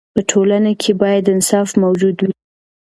په ټولنه کې باید انصاف موجود وي.